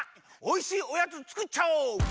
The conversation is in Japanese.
おいしいおやつつくっちゃおう！